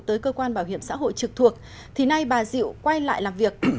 tới cơ quan bảo hiểm xã hội trực thuộc thì nay bà diệu quay lại làm việc